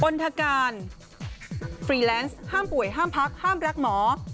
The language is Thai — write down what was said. ณฑการฟรีแลนซ์ห้ามป่วยห้ามพักห้ามรักหมอ